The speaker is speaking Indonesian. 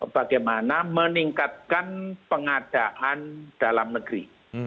bagaimana meningkatkan pengadaan dalam negeri